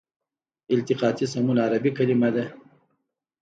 التقاطي سمون عربي کلمه ده.